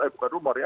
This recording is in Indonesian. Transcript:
bukan rumor ya